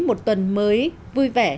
một tuần mới vui vẻ thành công